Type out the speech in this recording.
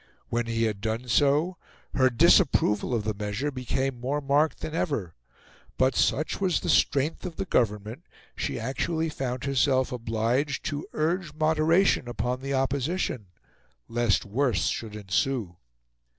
When he had done so, her disapproval of the measure became more marked than ever; but, such was the strength of the Government, she actually found herself obliged to urge moderation upon the Opposition, lest worse should ensue.